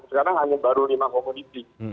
sekarang hanya baru lima komoditi